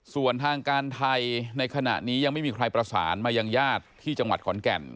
ส่วนทางการไทยในขณะนี้ยังไม่มีใครประสานมายังญาติที่จังหวัดขอนแก่น